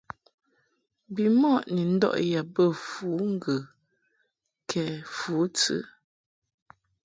Bimɔʼ ni ndɔʼ yab bə fǔŋgə kɛ fǔtɨ.